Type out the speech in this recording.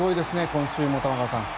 今週も玉川さん。